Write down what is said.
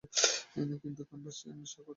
কিন্তু কাস্পিয়ান সাগর তার ব্যতিক্রম।